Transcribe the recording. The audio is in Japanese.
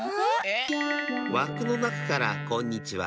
わくのなかからこんにちは。